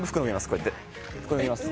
こうやって服脱ぎます